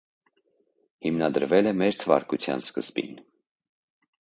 Հիմնադրվել է մեր թվարկության սկզբին։